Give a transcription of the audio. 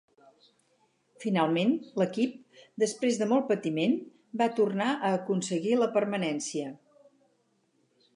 Finalment, l'equip, després de molt de patiment, va tornar a aconseguir la permanència.